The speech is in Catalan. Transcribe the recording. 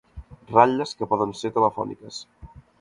Ratlles que poden ser telefòniques.